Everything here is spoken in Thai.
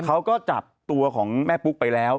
เขาก็จับตัวของแม่ปุ๊กไปแล้ว